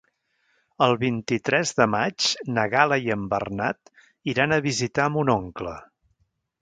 El vint-i-tres de maig na Gal·la i en Bernat iran a visitar mon oncle.